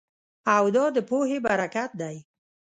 او دا د پوهې برکت دی